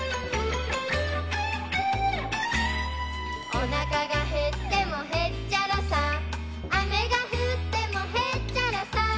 「おなかがへってもへっちゃらさ」「雨が降ってもへっちゃらさ」